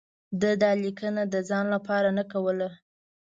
ده دا لیکنه د ځان لپاره نه کوله.